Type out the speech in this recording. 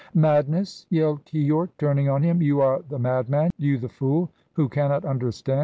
"Madness?" yelled Keyork, turning on him. "You are the madman, you the fool, who cannot understand!